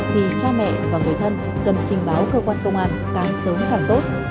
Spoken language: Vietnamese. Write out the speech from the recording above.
thì cha mẹ và người thân cần trình báo cơ quan công an càng sớm càng tốt